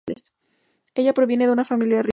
Ella proviene de una familia rica.